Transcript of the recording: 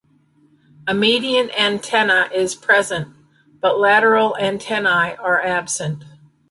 A median antenna is present but lateral antennae are absent.